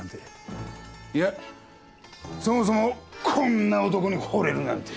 いやそもそもこんな男に惚れるなんて。